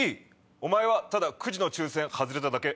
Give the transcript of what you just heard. お前はただクジの抽選外れただけ。